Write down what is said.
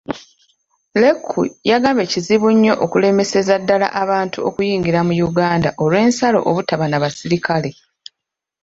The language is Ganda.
Leku, yagambye kizibu nnyo okulemeseza ddala abantu okuyingira mu Uganda olwensalo obutaba na basirikale.